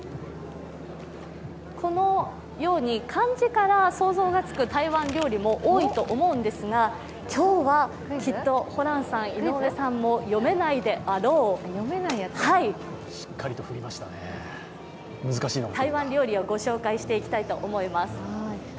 このように漢字から想像がつく台湾料理も多いと思うんですが今日はきっとホランさん、井上さんも読めないであろう台湾料理をご紹介していきたいと思います。